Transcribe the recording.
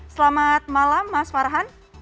selamat malam mas farhan